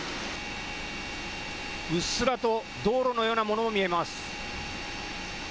うっすらと道路のようなものも見えます。